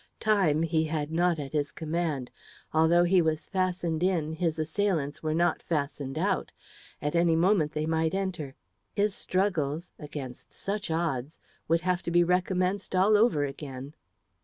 Time he had not at his command. Although he was fastened in, his assailants were not fastened out. At any moment they might enter; his struggles against such odds! would have to be recommenced all over again.